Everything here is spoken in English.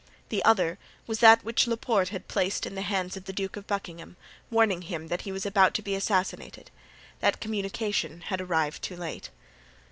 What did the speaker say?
The other was that which Laporte had placed in the hands of the Duke of Buckingham, warning him that he was about to be assassinated; that communication had arrived too late.